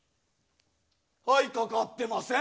はいかかってません。